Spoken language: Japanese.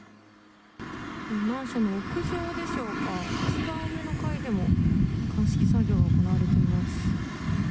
マンションの屋上でしょうか、一番上の階でも、鑑識作業が行われています。